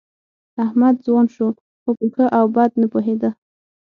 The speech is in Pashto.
احمد ځوان شو، خو په ښه او بد نه پوهېده.